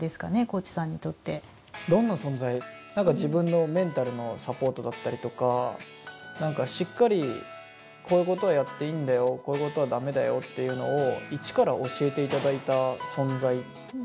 どんな存在何か自分のメンタルのサポートだったりとか何かしっかりこういうことはやっていいんだよこういうことは駄目だよっていうのを一から教えていただいた存在。